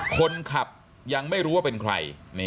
คนขับยังไม่รู้ว่าเป็นใคร